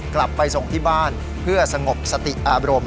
กลับไปส่งที่บ้านเพื่อสงบสติอารมณ์